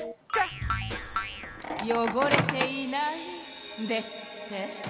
よごれていないですって？